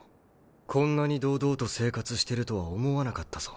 こんなに堂々と生活してるとは思わなかったぞ。